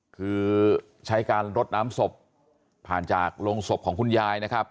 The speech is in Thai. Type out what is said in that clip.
คือใช้การรดน้ำศพผ่านจากโรงศพของคุณยายนะครับ